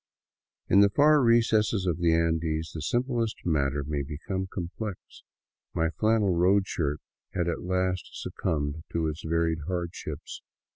In the far recesses of the Andes the simplest matter may become complex. My flannel road shirt had at last succumbed to its varied hardships.